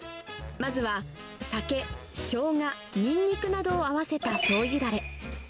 まずは酒、しょうが、にんにくなどを合わせたしょうゆだれ。